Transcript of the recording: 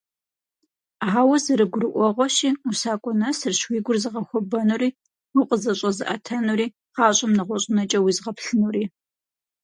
Ауэ, зэрыгурыӀуэгъуэщи, усакӀуэ нэсырщ уи гур зыгъэхуэбэнури, укъызэщӀэзыӀэтэнури, гъащӀэм нэгъуэщӀынэкӀэ уезыгъэплъынури.